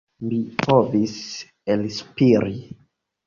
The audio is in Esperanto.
Mi povis elspiri.